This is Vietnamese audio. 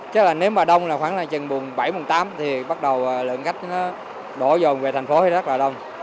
chắc là nếu mà đông là khoảng là chừng bảy tám thì bắt đầu lượng khách nó đổ dồn về thành phố thì rất là đông